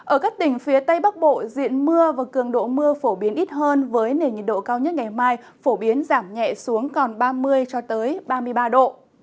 ở các tỉnh phía tây bắc bộ diện mưa và cường độ mưa phổ biến ít hơn với nền nhiệt độ cao nhất ngày mai phổ biến giảm nhẹ xuống còn ba mươi ba mươi ba độ